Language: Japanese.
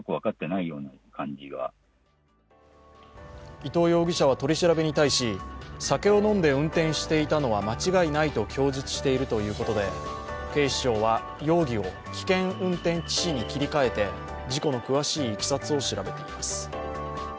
伊東容疑者は取り調べに対し酒を飲んで運転していたのは間違いないと供述しているということで警察は容疑を危険運転致死に切り替えて事故の詳しいいきさつを調べています。